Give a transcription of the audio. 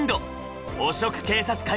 汚職警官？